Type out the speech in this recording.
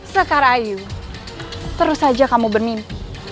sekar ayu terus saja kamu bermimpi